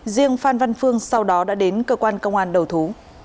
riêng phan văn phương sau đó đã đến cơ quan công an đầu thú